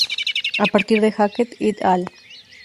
A partir de Hackett "et al".